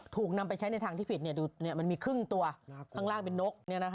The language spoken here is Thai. ถูกนำไปใช้ในทางที่ผิดมันมีครึ่งตัวข้างล่างเป็นนก